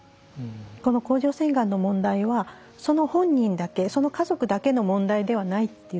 この甲状腺がんの問題はその本人だけその家族だけの問題ではないということ。